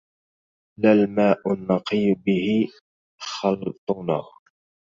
لا الماء النقي به خلطنا